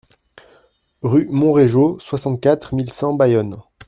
Rue Monréjau, soixante-quatre mille cent Bayonne